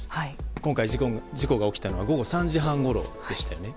今回、事故が起きたのは午後３時半ごろでしたよね。